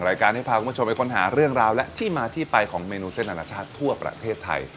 รายการที่พาคุณผู้ชมไปค้นหาเรื่องราวและที่มาที่ไปของเมนูเส้นอนาชาติทั่วประเทศไทย